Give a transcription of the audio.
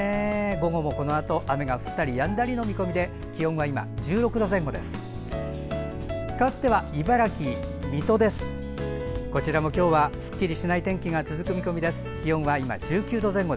午後もこのあと雨が降ったりやんだりの見込みで気温は今１６度前後。